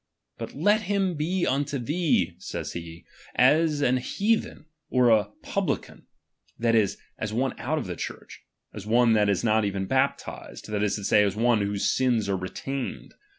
But let him he unto thee, says he, as an heathen, or jmh lican ; that is, as one out of the Church, as one that is not baptized, that is to say, as one whose sins are retained.